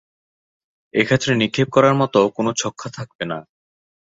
এক্ষেত্রে নিক্ষেপ করার মতো কোনো ছক্কা থাকবে না।